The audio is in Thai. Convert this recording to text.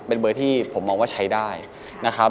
เป็นเบอร์ที่ผมมองว่าใช้ได้นะครับ